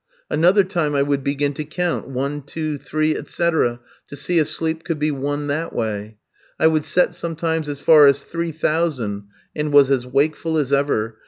Another time I would begin to count, one, two, three, etc., to see if sleep could be won that way. I would set sometimes as far as three thousand, and was as wakeful as ever.